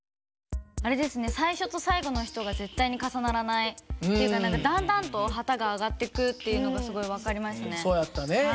最初と最後の人が絶対に重ならないっていうかだんだんと旗が上がってくっていうのがすごい分かりましたね。